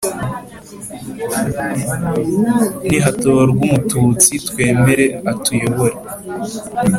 nihatorwa umututsi twemere atuyobore. eeee!